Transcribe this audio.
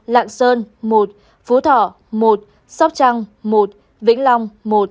một lạng sơn một phú thọ một sóc trăng một vĩnh long một